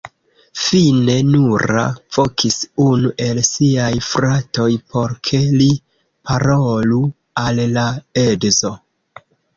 Fine, Noura vokis unu el siaj fratoj, por ke li parolu al la edzo.